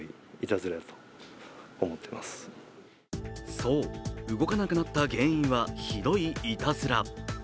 そう、動かなくなった原因はひどいいたずら。